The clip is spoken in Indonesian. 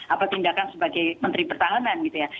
apa tindakan sebagai menteri pertahanan gitu ya